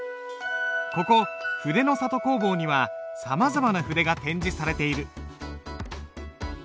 ここ筆の里工房にはさまざまな筆が展示されている。